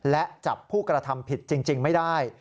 และจับผู้กระทำผิดจริงไม่ได้